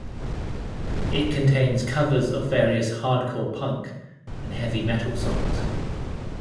It contains covers of various hardcore punk and heavy metal songs.